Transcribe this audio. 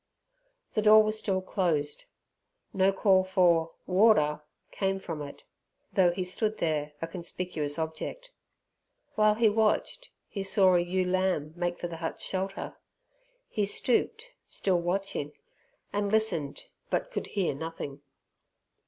The door was still closed. No call for "Warder!" came from it, though he stood there a conspicuous object. While he watched he saw an ewe lamb make for the hut's shelter. He stooped, still watching, and listened, but could hear nothing.